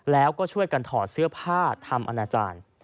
แล้วก็ช่วยกันถอดเสื้อผ้าทำอนาจารย์